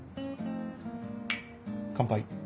乾杯。